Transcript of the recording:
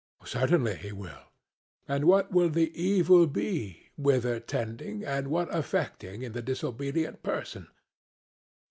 CRITO: Certainly he will. SOCRATES: And what will the evil be, whither tending and what affecting, in the disobedient person?